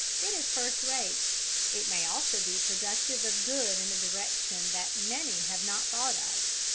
It is first rate. It may also be productive of good in a direction that many have not thought of.